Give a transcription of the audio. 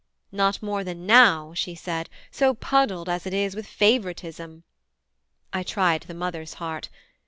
"Not more than now," she said, "So puddled as it is with favouritism." I tried the mother's heart.